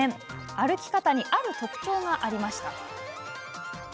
歩き方にある特徴がありました。